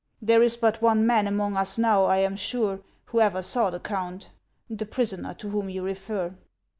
There is but one man among us now, I am sure, who ever saw the count, — the prisoner to whom you refer."